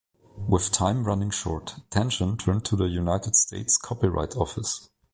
With time running short, Tengen turned to the United States Copyright Office.